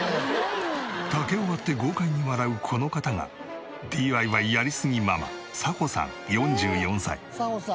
竹を割って豪快に笑うこの方がＤＩＹやりすぎママ早穂さん４４歳。